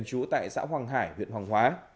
trú tại xã hoàng hải huyện hoàng hóa